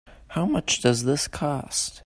How much does this cost?